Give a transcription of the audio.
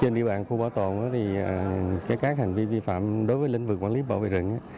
trên địa bàn khu bảo tồn thì các hành vi vi phạm đối với lĩnh vực quản lý bảo vệ rừng